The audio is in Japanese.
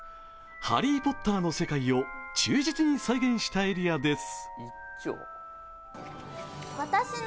「ハリー・ポッター」の世界を忠実に再現したエリアです。